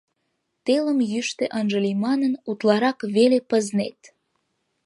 Телым йӱштӧ ынже лий манын, утларак веле пызнет.